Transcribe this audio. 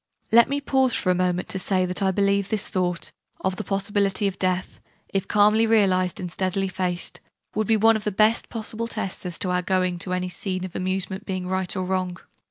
Let me pause for a moment to say that I believe this thought, of the possibility of death if calmly realised, and steadily faced would be one of the best possible tests as to our going to any scene of amusement being right or wrong.